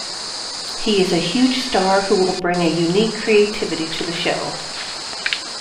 He is a huge star who will bring a unique creativity to the show.